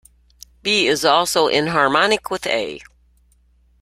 B is also enharmonic with A.